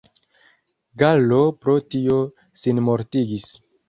Gallo pro tio sinmortigis.